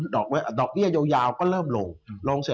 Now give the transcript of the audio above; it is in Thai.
ดอกเบี้ยยาวก็เริ่มลง